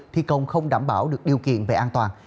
thi công không đảm bảo được điều kiện về an toàn